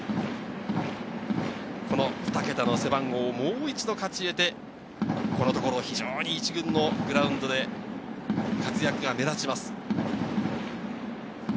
２桁の背番号をもう一度勝ち得て、このところ非常に１軍のグラウンドで活躍が目立ちます。